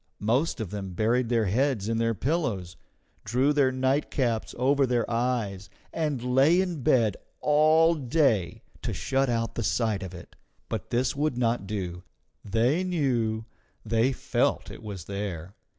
Most of them buried their heads in their pillows, drew their nightcaps over their eyes, and lay in bed all day to shut out the sight of it. But this would not do; they knew, they felt it was there.